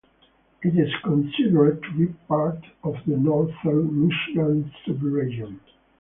It is considered to be part of the Northern Michigan subregion.